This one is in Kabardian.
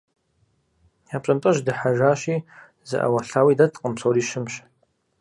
Я пщӀантӀэжь дыхьэжащи зы Ӏэуэлъауи дэткъым, псори щымщ.